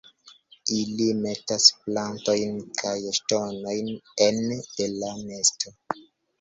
Ili metas plantojn kaj ŝtonojn ene de la nesto.